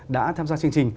đã tham gia chương trình